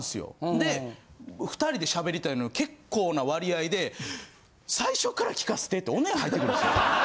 で２人で喋りたいのに結構な割合で「最初から聞かせて」ってオネエ入ってくるんですよ。